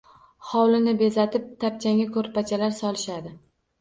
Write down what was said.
Hovlini bezatib tapchanga ko’rpachalar solishadi.